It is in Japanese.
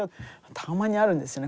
たまにあるんですよね